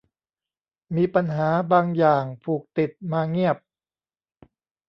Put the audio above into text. มีปัญหาบางอย่างผูกติดมาเงียบ